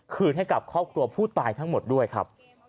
คืนให้กับครอบครัวผู้ตายทั้งหมดด้วยครับ